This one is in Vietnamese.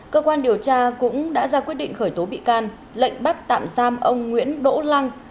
cơ quan điều tra cũng đã ra quyết định khởi tố bị can lệnh bắt tạm giam ông nguyễn đỗ lăng